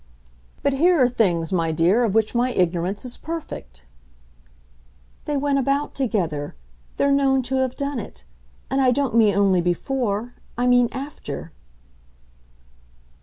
"But here are things, my dear, of which my ignorance is perfect." "They went about together they're known to have done it. And I don't mean only before I mean after."